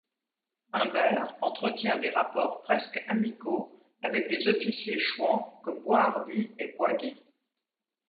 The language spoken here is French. Humbert entretient des rapports presque amicaux avec des officiers chouans comme Boishardy et Boisguy.